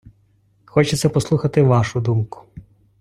Хочеться послухати вашу думку.